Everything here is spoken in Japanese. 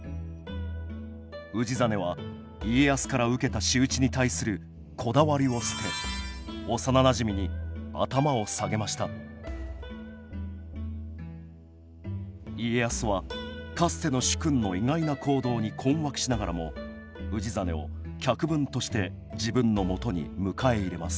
氏真は家康から受けた仕打ちに対するこだわりを捨て幼なじみに頭を下げました家康はかつての主君の意外な行動に困惑しながらも氏真を客分として自分のもとに迎え入れます